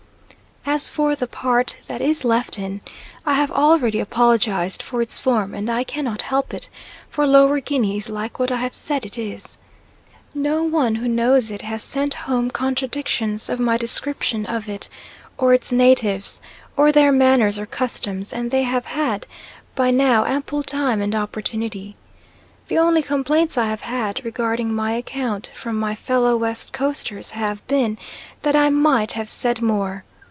As for the part that is left in, I have already apologised for its form, and I cannot help it, for Lower Guinea is like what I have said it is. No one who knows it has sent home contradictions of my description of it, or its natives, or their manners or customs, and they have had by now ample time and opportunity. The only complaints I have had regarding my account from my fellow West Coasters have been that I might have said more.